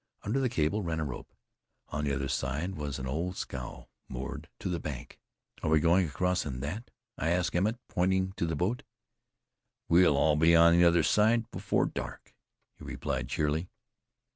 Under the cable ran a rope. On the other side was an old scow moored to the bank. "Are we going across in that?" I asked Emmett, pointing to the boat. "We'll all be on the other side before dark," he replied cheerily.